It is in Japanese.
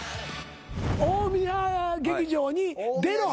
大宮劇場に出ろ。